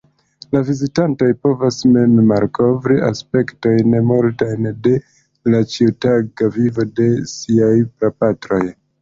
La vizitantoj povas mem malkovri aspektojn multajn de la ĉiutaga vivo de siaj prapatroj.